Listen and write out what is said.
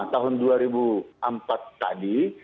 tahun dua ribu empat tadi